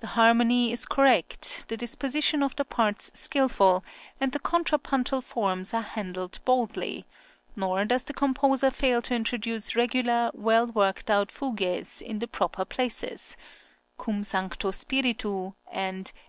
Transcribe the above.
The harmony is correct, the disposition of the parts skilful, and the contrapuntal forms are handled boldly; nor does the composer fail to introduce regular, well worked out fugues in the proper places; "Cum Sancto Spiritu," and "Et {L.